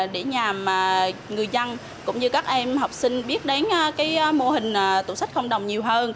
để nhằm người dân cũng như các em học sinh biết đến mô hình tủ sách không đồng nhiều hơn